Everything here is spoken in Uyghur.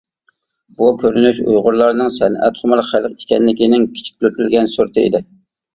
بۇ كۆرۈنۈش ئۇيغۇرلارنىڭ سەنئەتخۇمار خەلق ئىكەنلىكىنىڭ كىچىكلىتىلگەن سۈرىتى ئىدى.